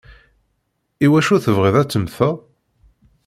Iwacu tebɣiḍ ad temmteḍ?